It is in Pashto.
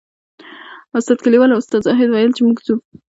استاد کلیوال او استاد زاهد ویل چې موږ ځو.